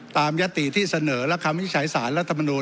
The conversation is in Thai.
ตามยศตี่ที่เสนอและคำวิจัยสายรัฐมนูน